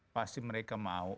pasti mereka mau